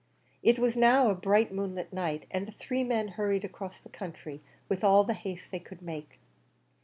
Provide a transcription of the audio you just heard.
It was now a bright moonlight night, and the three men hurried across the country with all the haste they could make.